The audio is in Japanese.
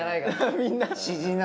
みんな？